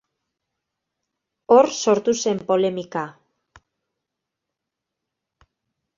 Hor sortu zen polemika.